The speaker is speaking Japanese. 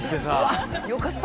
あよかった。